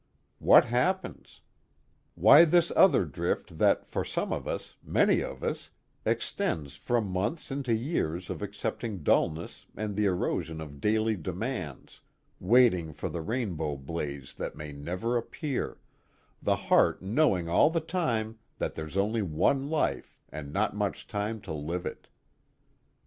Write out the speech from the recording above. _ What happens? Why this other drift that for some of us, many of us, extends from months into years of accepting dullness and the erosion of daily demands, waiting for the rainbow blaze that may never appear, the heart knowing all the time that there's only one life and not much time to live it?